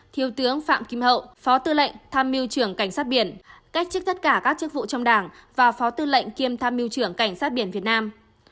một mươi năm thiếu tướng phạm kim hậu phó tư lệnh tham miêu trưởng cảnh sát biển cách trích tất cả các chức vụ trong đảng và phó tư lệnh kiêm tham miêu trưởng cảnh sát biển việt nam